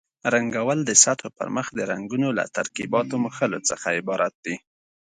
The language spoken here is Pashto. رنګول د سطحو پرمخ د رنګونو له ترکیباتو مښلو څخه عبارت دي.